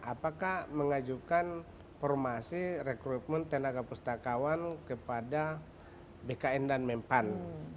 apakah mengajukan formasi rekrutmen tenaga pustakawan kepada bkn dan mempan